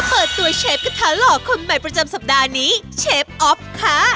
เปิดตัวเชฟกระทะหล่อคนใหม่ประจำสัปดาห์นี้เชฟออฟค่ะ